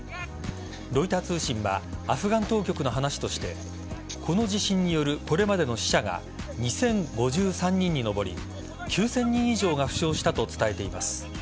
ロイター通信はアフガン当局の話としてこの地震によるこれまでの死者が２０５３人に上り９０００人以上が負傷したと伝えています。